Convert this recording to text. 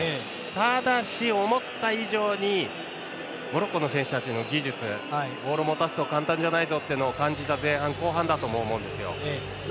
ただし、思った以上にモロッコの選手たちの技術ボールを持たせると簡単じゃないぞというのを感じさせた前半で後半になると思うんですよ。